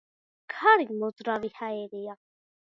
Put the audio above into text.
ქარი მოძრავი ჰაერია.